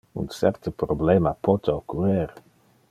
Un certe problema pote occurrer.